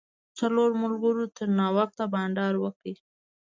څلورو ملګرو تر ناوخته بانډار وکړ.